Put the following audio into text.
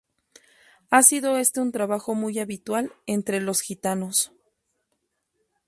Ha sido este un trabajo muy habitual entre los gitanos.